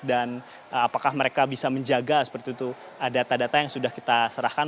dan apakah mereka bisa menjaga seperti itu data data yang sudah kita serahkan